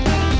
ya itu dia